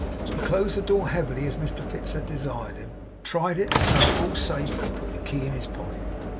He closed the door heavily, as Mr Fips had desired him; tried it, found it all safe, and put the key in his pocket.